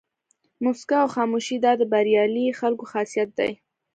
موسکا او خاموشي دا د بریالي خلکو خاصیت دی.